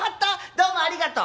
どうもありがとう」。